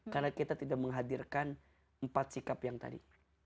karena kita tidak menghadirkan empat sikap yang tadi